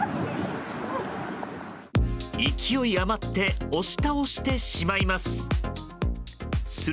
勢い余って押し倒してしまいます。